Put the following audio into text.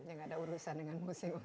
yang enggak ada urusan dengan musik